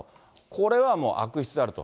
これはもう、悪質であると。